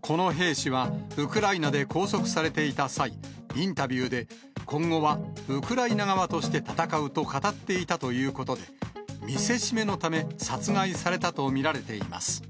この兵士はウクライナで拘束されていた際、インタビューで、今後はウクライナ側として戦うと語っていたということで、見せしめのため、殺害されたと見られています。